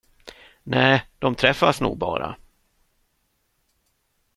Nej, de träffas nog bara.